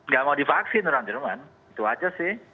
gak mau divaksin orang jerman itu aja sih